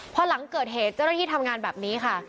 พอหลังเกิดเหตุเจ้าหน้าที่ทำงานแบบนี้ค่ะ